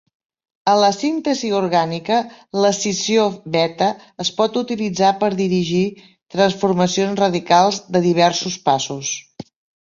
A la síntesi orgànica, l'escissió beta es pot utilitzar per dirigir transformacions radicals de diversos passos.